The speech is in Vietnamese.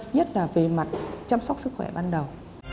nhất là về mặt chăm sóc sức khỏe ban đầu